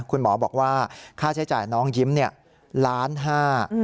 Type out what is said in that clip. คุณหมอบอกว่าค่าใช้จ่ายน้องยิ้มเนี่ยล้านห้า